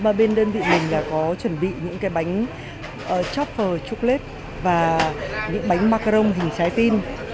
ba bên đơn vị mình là có chuẩn bị những cái bánh chopper chocolate và những bánh macaroni hình trái tim